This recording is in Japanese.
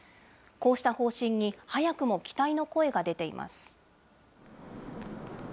こうした方針に早くも期待の声が出ています。